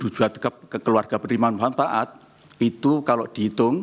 dua puluh dua juta keluarga penerimaan manfaat itu kalau dihitung